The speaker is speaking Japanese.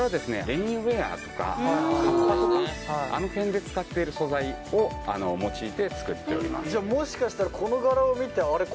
レインウェアとかかっぱとかあの辺で使っている素材を用いて作っておりますじゃもしかしたらこの柄を見てあれ？